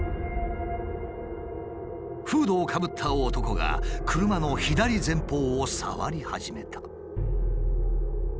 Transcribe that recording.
フードをかぶった男が車の左前方を触り始めた。